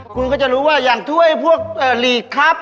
คุณก็จะรู้ว่าอย่างถ้วยพวกหลีกครับ